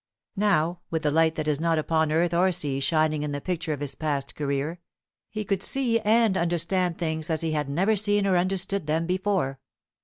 Now, with the light that is not upon earth or sea shining on the picture of his past career, he could see and understand things as he had never seen or understood them before.